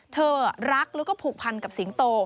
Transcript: เธอรักแล้วก็ผูกพันกับสิงโต